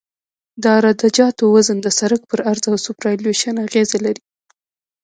د عراده جاتو وزن د سرک په عرض او سوپرایلیویشن اغیزه لري